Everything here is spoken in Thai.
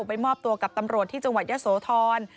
ไปมอบตัวกับตำรวจที่จังหวัดยะโสธร